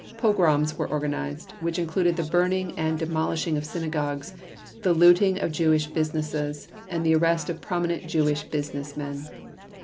Pogroms were organized, which included the burning and demolishing of synagogues, the looting of Jewish businesses, and the arrest of prominent Jewish business men.